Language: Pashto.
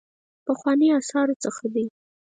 پخوانیو آثارو څخه دی.